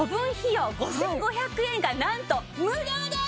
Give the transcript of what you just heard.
５５００円がなんと無料です！